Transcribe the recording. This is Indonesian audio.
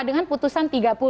dengan putusan tiga puluh